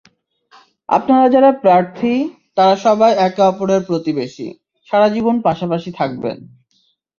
আপনারা যাঁরা প্রার্থী, তাঁরা সবাই একে অপরের প্রতিবেশী, সারা জীবন পাশাপাশি থাকবেন।